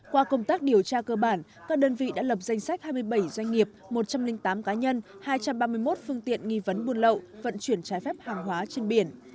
qua công tác điều tra cơ bản các đơn vị đã lập danh sách hai mươi bảy doanh nghiệp một trăm linh tám cá nhân hai trăm ba mươi một phương tiện nghi vấn buôn lậu vận chuyển trái phép hàng hóa trên biển